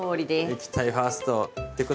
「液体ファースト」ってことは？